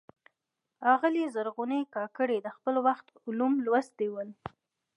آغلي زرغونې کاکړي د خپل وخت علوم لوستلي ول.